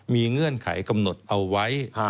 มีเงื่อนไขกำหนดเอาไว้